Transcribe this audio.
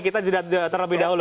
kita terlebih dahulu